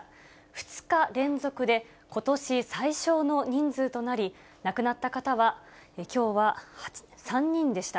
２日連続でことし最少の人数となり、亡くなった方はきょうは３人でした。